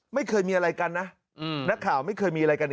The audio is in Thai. ไม่เคยมีอะไรกันนะนักข่าวไม่เคยมีอะไรกัน